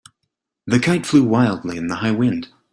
The kite flew wildly in the high wind.